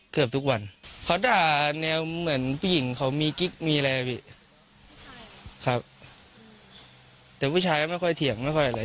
เกือบทุกวันเขาด่าแนวเหมือนผู้หญิงเขามีกิ๊กมีอะไรอ่ะพี่ครับแต่ผู้ชายไม่ค่อยเถียงไม่ค่อยอะไร